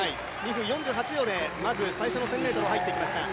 ２分４８秒でまず最初の１０００ｍに入ってきました。